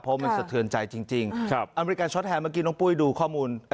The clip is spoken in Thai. เพราะมันสะเทือนใจจริงอเมริกาช็อตแฮนเมื่อกี้น้องปุ้ยดูข้อมูล